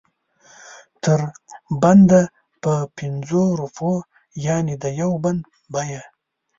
تر بنده په پنځو روپو یعنې د یو بند بیه.